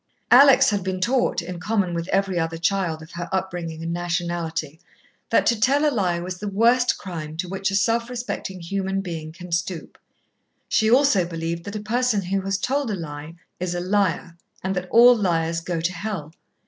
Alex had been taught, in common with every other child of her upbringing and nationality, that to tell a lie was the worst crime to which a self respecting human being can stoop. She also believed that a person who has told a lie is a liar, and that all liars go to Hell.